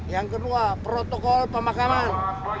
yang kedua protokol pemakaman